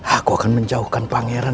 aku akan menjauhkan pangeran